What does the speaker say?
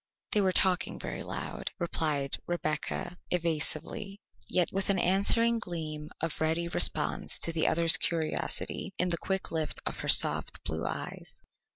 "They were talking very loud," replied Rebecca evasively, yet with an answering gleam of ready response to the other's curiosity in the quick lift of her soft blue eyes.